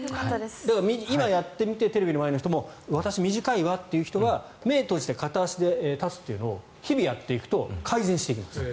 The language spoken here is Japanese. だから、今、やってみてテレビの前の人も私、短いわという人は目を閉じて片足で立つというのを日々、やっていくと改善していきます。